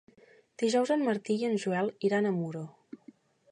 Dijous en Martí i en Joel iran a Muro.